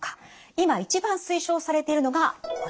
今一番推奨されているのがこちら。